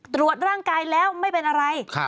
ตรวจร่างกายแล้วไม่เป็นอะไร